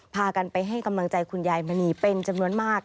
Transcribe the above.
พากันไปให้กำลังใจคุณยายมณีเป็นจำนวนมาก